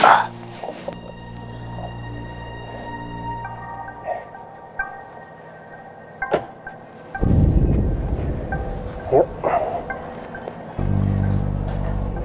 saya bener bener bingung